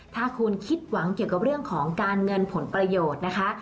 ถ้าคุณคิดหวังเกี่ยวกับเรื่องของการเงินผลประโยชน์นะคะ